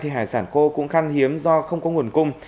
hải sản khô cũng khăn hiếm do không có nguồn cung